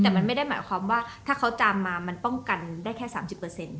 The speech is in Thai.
แต่มันไม่ได้หมายความว่าถ้าเขาจามมามันป้องกันได้แค่สามสิบเปอร์เซ็นต์ใช่